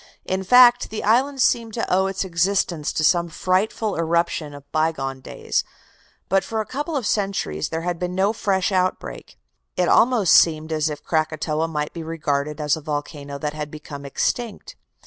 In fact, the island seemed to owe its existence to some frightful eruption of by gone days; but for a couple of centuries there had been no fresh outbreak. It almost seemed as if Krakatoa might be regarded as a volcano that had become extinct.